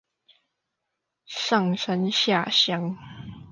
上山下鄉